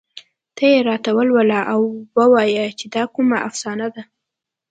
ته یې راته ولوله او ووايه چې دا کومه افسانه ده